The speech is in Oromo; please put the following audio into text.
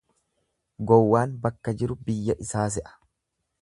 Gowwaan bakka jiru biyya isaa se'a.